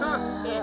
あ。